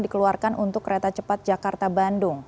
dikeluarkan untuk kereta cepat jakarta bandung